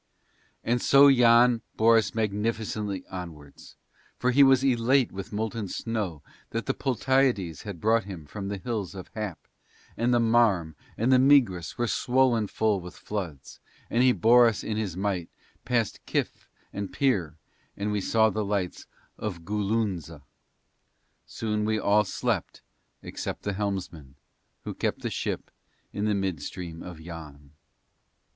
And so Yann bore us magnificently onwards, for he was elated with molten snow that the Poltiades had brought him from the Hills of Hap, and the Marn and Migris were swollen full with floods; and he bore us in his might past Kyph and Pir, and we saw the lights of Goolunza. Soon we all slept except the helmsman, who kept the ship in the midstream of Yann.